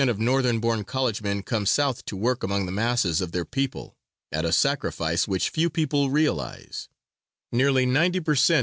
of Northern born college men come South to work among the masses of their people, at a sacrifice which few people realize; nearly 90 per cent.